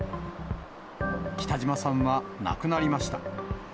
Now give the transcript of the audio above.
北島さんは亡くなりました。